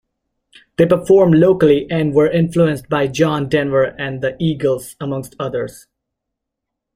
They performed locally and were influenced by John Denver and The Eagles, amongst others.